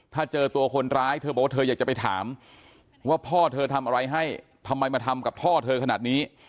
ถ้าเจอตัวคนร้ายเธอบอกว่าเธออยากจะไปถามว่าพ่อเธอทำอะไรให้ทำไมมาทำกับพ่อเธอขนาดนี้